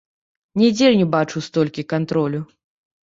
Нідзе не бачыў столькі кантролю.